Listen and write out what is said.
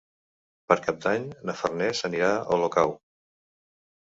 Per Cap d'Any na Farners anirà a Olocau.